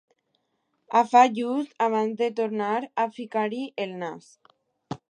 Ah —fa, just abans de tornar a ficar-hi el nas.